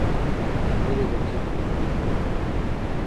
ولي دقیق فکر کول اړین دي؟